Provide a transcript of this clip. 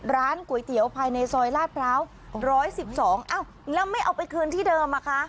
ร้านก๋วยเตี๋ยวภายในซอยลาดพร้าว๑๑๒อ้าวแล้วไม่เอาไปคืนที่เดิมอ่ะคะ